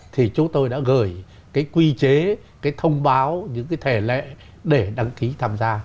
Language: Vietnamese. thì chúng tôi đã gửi cái quy chế cái thông báo những cái thẻ lệ để đăng ký tham gia